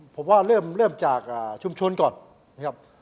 ผมว่าเริ่มจากชุมชนก่อนนะครับ